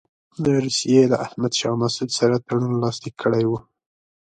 روسیې له احمدشاه مسعود سره تړون لاسلیک کړی وو.